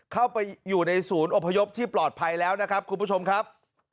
เข้าไปอยู่ในศูนย์อพยพที่ปลอดภัยแล้วนะครับคุณผู้ชมครับ